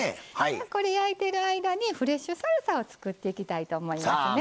これ焼いてる間にフレッシュサルサを作っていきたいと思いますね。